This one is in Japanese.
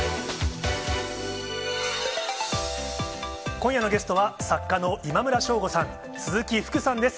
今夜のゲストは、作家の今村翔吾さん、鈴木福さんです。